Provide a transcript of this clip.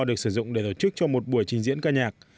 được sử dụng để tổ chức cho một buổi trình diễn ca nhạc